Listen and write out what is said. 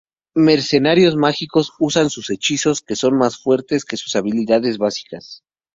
Mercenarios mágicos usan sus hechizos, que son más fuertes que sus habilidades básicas.